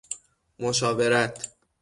مشاورت